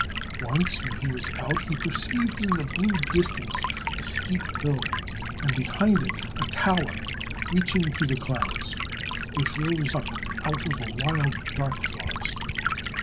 Once when he was out he perceived in the blue distance a steep hill, and behind it a tower reaching to the clouds, which rose up out of a wild dark forest.